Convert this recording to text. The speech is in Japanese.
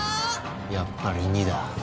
やっぱり２だ。